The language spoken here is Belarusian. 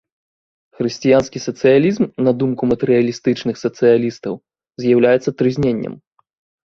Хрысціянскі сацыялізм, на думку матэрыялістычных сацыялістаў, з'яўляецца трызненнем.